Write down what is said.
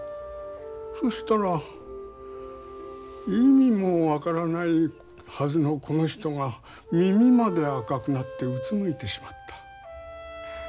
そしたら意味も分からないはずのこの人が耳まで赤くなってうつむいてしまった。